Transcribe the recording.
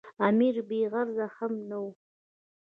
امیر بې غرضه هم نه وو.